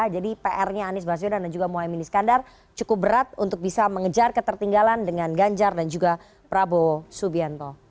jadi pr nya anies baswedan dan juga muaymini skandar cukup berat untuk bisa mengejar ketertinggalan dengan ganjar dan juga prabowo subianto